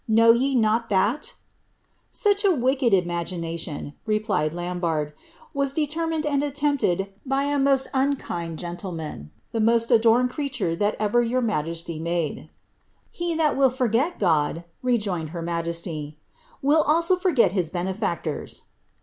Know ye not that T'* ^ Such a wicked imagination," replied Lambarde, ^^ was determined and attempted by a most unkind gentleman — the most adorned creature that ever your majesty made." He that will forget God," rejoined her majesty, will also forget his benefactors."